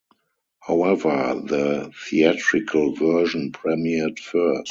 However, the theatrical version premiered first.